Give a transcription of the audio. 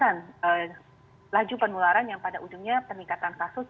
nah ini adalah sebuah laju penularan yang pada ujungnya peningkatan kasus